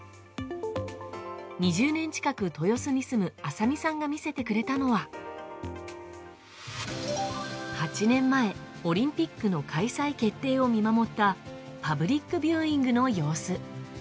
２０年近く豊洲に住む浅見さんが見せてくれたのは８年前、オリンピックの開催決定を見守ったパブリックビューイングの様子。